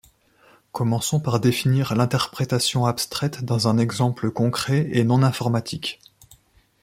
Commençons par définir l'interprétation abstraite dans un exemple concret et non informatique.